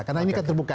karena ini kan terbuka